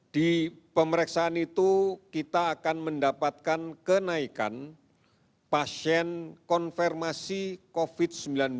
di pemeriksaan itu kita akan mendapatkan kenaikan pasien konfirmasi covid sembilan belas